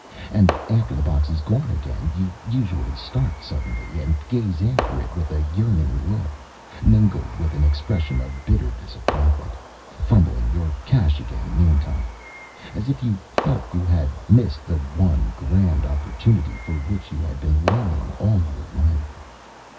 And after the box is gone again, you usually start suddenly and gaze after it with a yearning look, mingled with an expression of bitter disappointment (fumbling your cash again meantime), as if you felt you had missed the one grand opportunity for which you had been longing all your life.